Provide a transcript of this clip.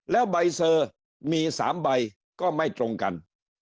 แล้วใบเซอร์มี๓ใบก็ไม่ตรงกัน